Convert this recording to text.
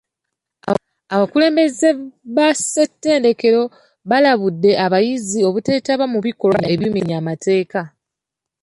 Abakulembeze ba ssetendekero baalabudde abayizi obuteetaba mu bikolwa ebimenya amateeka .